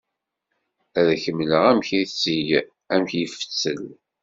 Ad ak-mleɣ amek itegg, amek ifettel.